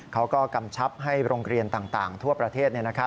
กำชับให้โรงเรียนต่างทั่วประเทศ